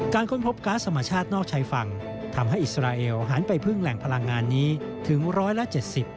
การค้นพบการสมชาตินอกใช้ฝั่งทำให้อิสราเอลหันไปพึ่งแหล่งพลังงานนี้ถึงร้อยละ๗๐